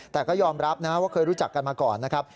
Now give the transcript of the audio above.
แต่ก็ยอมรับนะว่าเคยรู้จักกันมาก่อนนะครับ